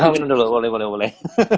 minum dulu boleh boleh boleh